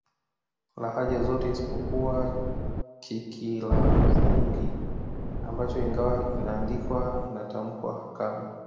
lahaja zote isipokuwa Kikilavwugi ambacho ingawa inaandikwa inatamkwa kama